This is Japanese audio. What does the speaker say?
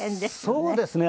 そうですね。